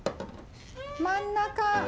真ん中。